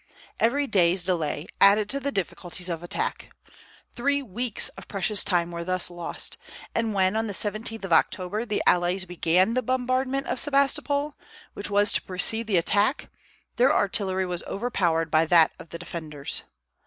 Every day's delay added to the difficulties of attack. Three weeks of precious time were thus lost, and when on the 17th of October the allies began the bombardment of Sebastopol, which was to precede the attack, their artillery was overpowered by that of the defenders.